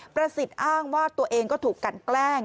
ประสิทธิ์อ้างว่าตัวเองก็ถูกกันแกล้ง